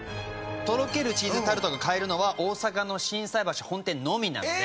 とろけるチーズタルトが買えるのは大阪の心斎橋本店のみなので。